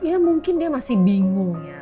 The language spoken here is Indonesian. ya mungkin dia masih bingung ya